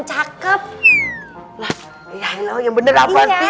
misalnya ada orang yang nanti itu kamas node ado